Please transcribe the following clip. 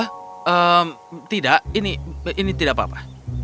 karena tidak ini tidak apa apa